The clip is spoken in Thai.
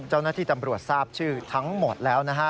เจ้าหน้าที่ตำรวจทราบชื่อทั้งหมดแล้วนะฮะ